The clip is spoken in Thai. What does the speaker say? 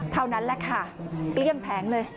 เท่านั้นแหละค่ะเกลี้ยงแผงเลย